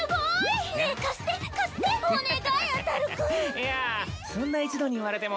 いやそんな一度に言われても。